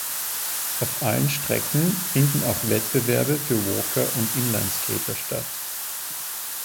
Auf allen Strecken finden auch Wettbewerbe für Walker und Inlineskater statt.